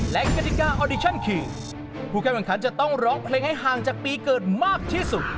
และกติการ์ออดิชั่นผู้แก้วางคันจรต้องร้องเพลงให้ห่างจากปีเกิดมากที่สุด